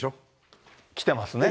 来てますね。